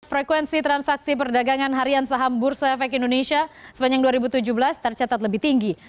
frekuensi transaksi perdagangan harian saham bursa efek indonesia sepanjang dua ribu tujuh belas tercatat lebih tinggi